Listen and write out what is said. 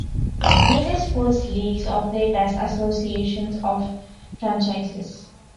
Major sports leagues operate as associations of franchises.